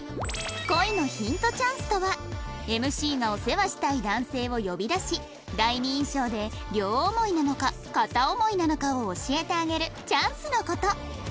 恋のヒントチャンスとは ＭＣ がお世話したい男性を呼び出し第二印象で両思いなのか片思いなのかを教えてあげるチャンスの事